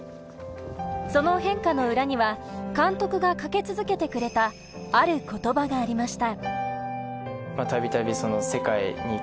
その変化の裏には監督がかけ続けてくれた、ある言葉がありました。